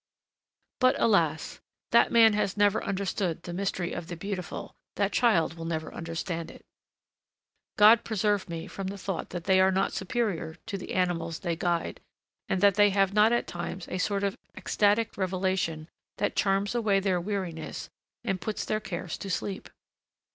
But, alas! that man has never understood the mystery of the beautiful, that child will never understand it! God preserve me from the thought that they are not superior to the animals they guide, and that they have not at times a sort of ecstatic revelation that charms away their weariness and puts their cares to sleep!